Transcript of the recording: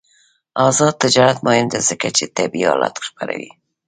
آزاد تجارت مهم دی ځکه چې طبي آلات خپروي.